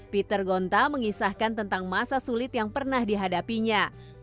peter gonta mengisahkan tentang masa sulit yang pernah dihadapinya